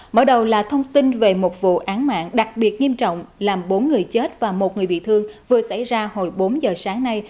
mở đầu là thông tin về một vụ án mạng đặc biệt nghiêm trọng làm bốn người chết và một người bị thương vừa xảy ra hồi bốn giờ sáng nay